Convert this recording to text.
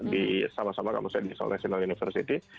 di sama sama kampusnya di seoul national university